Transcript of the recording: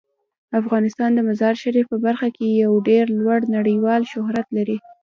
افغانستان د مزارشریف په برخه کې یو ډیر لوړ نړیوال شهرت لري.